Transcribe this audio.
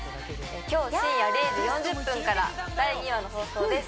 今日深夜０時４０分から第２話の放送です